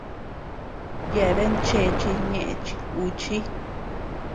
Yeabean chéche ñeʼe chi kùchi.